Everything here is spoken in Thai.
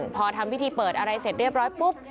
พอทำพิธีเปิดอะไรเสร็จเรียบร้อยปุ๊บ